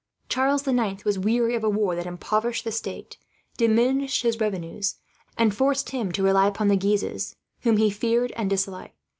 Charles the Ninth was weary of a war that impoverished the state, diminished his revenues, and forced him to rely upon the Guises, whom he feared and disliked.